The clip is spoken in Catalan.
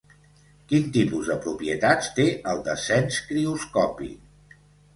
Quin tipus de propietats té el descens crioscòpic?